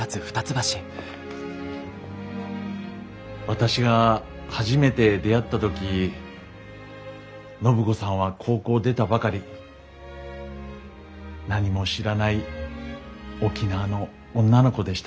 私が初めて出会った時暢子さんは高校を出たばかり何も知らない沖縄の女の子でした。